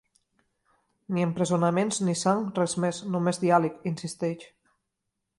Ni empresonaments, ni sang, res més, només diàleg, insisteix.